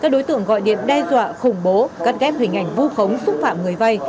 các đối tượng gọi điện đe dọa khủng bố cắt ghép hình ảnh vu khống xúc phạm người vay